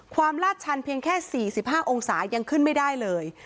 ลาดชันเพียงแค่๔๕องศายังขึ้นไม่ได้เลย